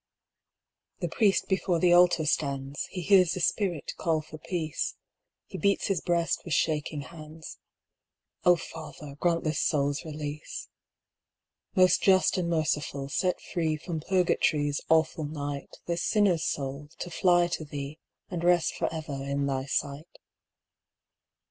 The priest before the altar stands, He hears the spirit call for peace; He beats his breast with shaking hands. "O Father, grant this soul's release. "Most Just and Merciful, set free From Purgatory's awful night This sinner's soul, to fly to Thee, And rest for ever in Thy sight."